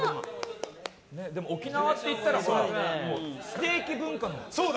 沖縄って言ったらステーキ文化だよ。